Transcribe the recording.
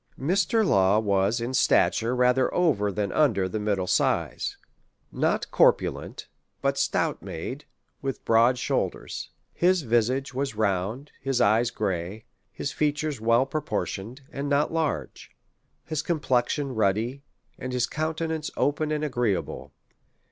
Mr. Law was in stature rather over than under the middle size; not corpulent, but stout n:ade, with broad shoulders ; his visage was round, his eyes grey ; his features well proportioned, and not large ; his com plexion ruddy, and his countenance open and agree able.